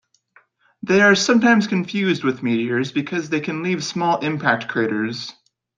They are sometimes confused with meteors because they can leave small impact craters.